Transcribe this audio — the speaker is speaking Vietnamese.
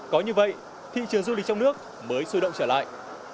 có như vậy thị trường du lịch trong nước mới sôi động trở lại